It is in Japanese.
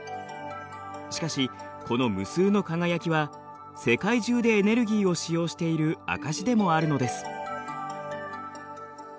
しかしこの無数の輝きは世界中でエネルギーを使用している証しでもあるのです。